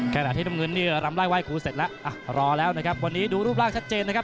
แค่แหละที่น้ำเงินรำไล่ไว้ขู่เสร็จแล้วรอแล้วนะครับวันนี้ดูรูปรากชัดเจนนะครับ